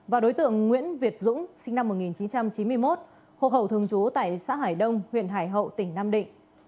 và đối tượng nguyễn việt dũng sinh năm một nghìn chín trăm chín mươi một hộ khẩu thường trú tại xã hải đông huyện hải hậu tỉnh nam định